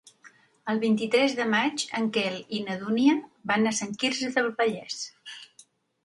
El vint-i-tres de maig en Quel i na Dúnia van a Sant Quirze del Vallès.